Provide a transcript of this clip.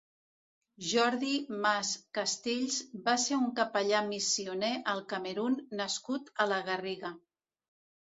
Jordi Mas Castells va ser un capellà missioner al Camerun nascut a la Garriga.